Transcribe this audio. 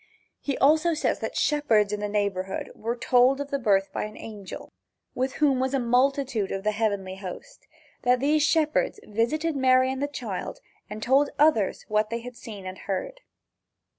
He also says that shepherds, in the neighborhood, were told of the birth by an angel, with whom was a multitude of the heavenly host; that these shepherds visited Mary and the child, and told others what they had seen and heard.